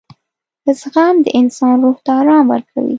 • زغم د انسان روح ته آرام ورکوي.